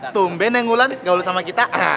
tung beneng ulan gaul sama kita